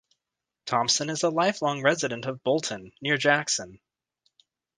Thompson is a lifelong resident of Bolton, near Jackson.